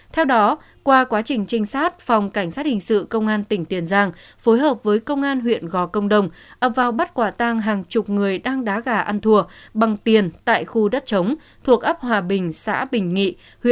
theo đó qua quá trình trinh sát phòng cảnh sát hình sự công an tỉnh tiền giang phối hợp với công an huyện gò công đồng ập vào bắt quả tang hàng chục người đang đá gà ăn thùa bằng tiền tại khu đất chống thuộc ấp hòa bình xã bình nghị